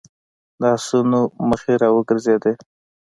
د آسونو مخې را وګرځېدې.